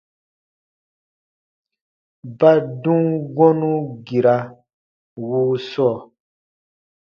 Ba dum gɔ̃nu gira wuu sɔɔ.